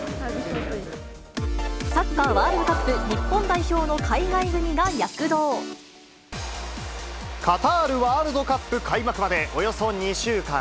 サッカーワールドカップ日本カタールワールドカップ開幕まで、およそ２週間。